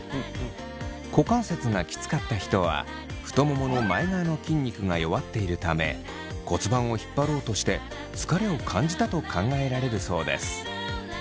股関節がキツかった人は太ももの前側の筋肉が弱っているため骨盤を引っ張ろうとして疲れを感じたと考えられるそうです。